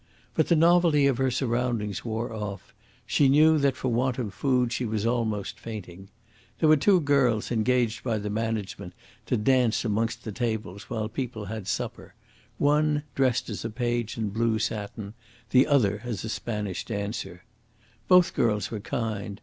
But the novelty of her surroundings wore off. She knew that for want of food she was almost fainting. There were two girls engaged by the management to dance amongst the tables while people had supper one dressed as a page in blue satin, and the other as a Spanish dancer. Both girls were kind.